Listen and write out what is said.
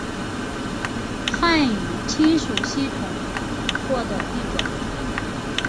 汉语亲属系统或的一种。